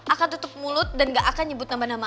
akan tutup mulut dan gak akan nyebut nama nama